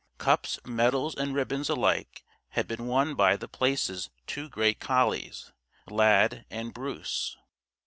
Cups, medals, and ribbons alike had been won by The Place's two great collies, Lad and Bruce.